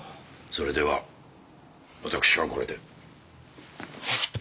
それでは私はこれで。